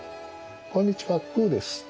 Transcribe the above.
「こんにちはくうです」。